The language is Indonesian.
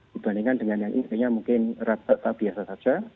dibandingkan dengan yang intinya mungkin rata rata biasa saja